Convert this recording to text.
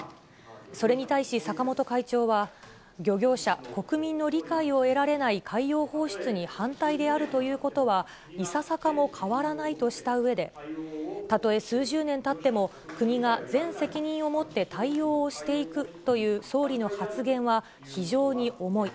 それに対し、坂本会長は漁業者、国民の理解を得られない海洋放出に反対であるということは、いささかも変わらないとしたうえで、たとえ数十年たっても、国が全責任を持って対応をしていくという総理の発言は、非常に重い。